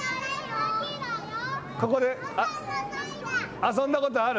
ここで遊んだことある？